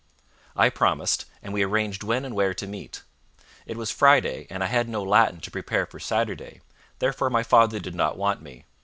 I promised, and we arranged when and where to meet. It was Friday, and I had no Latin to prepare for Saturday, therefore my father did not want me.